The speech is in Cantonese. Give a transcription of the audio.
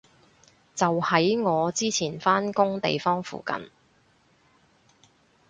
就喺我之前返工地方附近